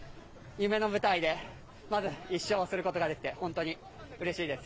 夢の舞台でまず１勝できて本当にうれしいです。